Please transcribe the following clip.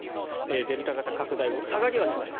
デルタ型拡大後下がりはしました。